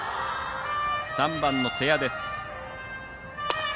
３番の瀬谷です。